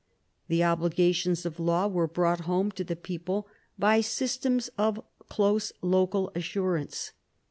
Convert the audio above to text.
The obligations of law were brought home to the people by systems of close local assurance.